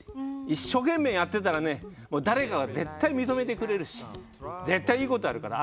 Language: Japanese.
一生懸命やってたら誰かが絶対に認めてくれるし絶対いいことあるから。